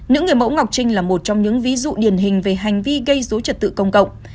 nữ người mẫu ngọc trinh là một trong những ví dụ điển hình về hành vi gây dối trật tự công cộng